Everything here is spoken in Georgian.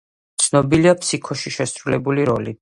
ცნობილია „ფსიქოში“ შესრულებული როლით.